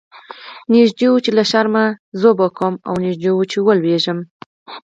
نږدې و چې له شرمه بې سده شم او نږدې و چې ولويږم.